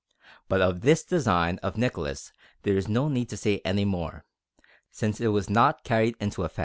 But of this design of Nicholas there is no need to say any more, since it was not carried into effect.